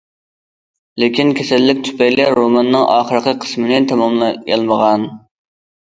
لېكىن كېسەللىك تۈپەيلى روماننىڭ ئاخىرقى قىسمىنى تاماملىيالمىغان.